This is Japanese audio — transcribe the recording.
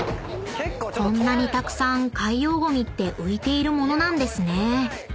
［こんなにたくさん海洋ごみって浮いているものなんですね］